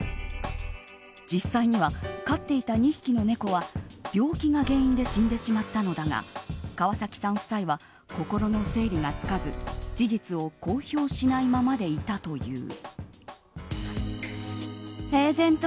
実際には、飼っていた２匹の猫は病気が原因で死んでしまったのだが川崎さん夫妻は心の整理がつかず事実を公表しないままでいたという。